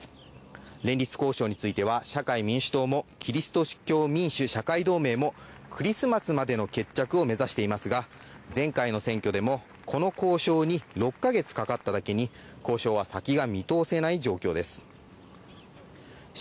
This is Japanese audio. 連立交渉については社会民主党もキリスト教民主・社会同盟もクリスマスか決着を目指してますが、前回の選挙でもこの交渉に６ヶ月かかっただけに交渉は先が見通せない情況です。